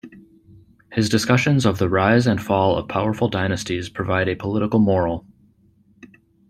His discussions of the rise and fall of powerful dynasties provide a political moral.